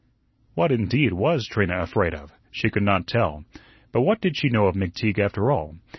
What, indeed, was Trina afraid of? She could not tell. But what did she know of McTeague, after all?